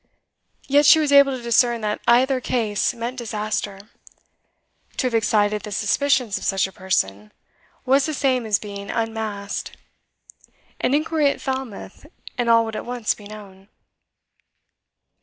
Yet she was able to discern that either case meant disaster; to have excited the suspicions of such a person, was the same as being unmasked; an inquiry at Falmouth, and all would at once be known.